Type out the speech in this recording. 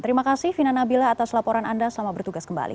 terima kasih vina nabila atas laporan anda selamat bertugas kembali